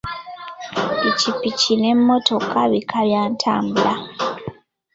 Ppikipiki n'emmotoka bika bya ntambula.